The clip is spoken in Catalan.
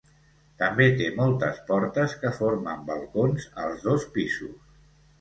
També té moltes portes que formen balcons als dos pisos.